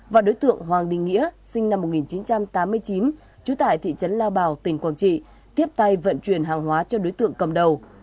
và đối tượng hoàng đình nghĩa sinh năm một nghìn chín trăm tám mươi chín trú tại thị trấn lao bảo tỉnh quảng trị tiếp tay vận chuyển hàng hóa cho đối tượng cầm đầu